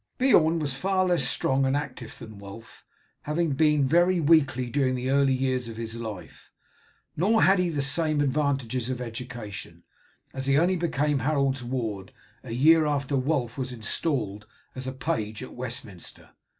Beorn was far less strong and active than Wulf, having been very weakly during the early years of his life, nor had he had the same advantages of education, as he only became Harold's ward a year after Wulf was installed as a page at Westminster.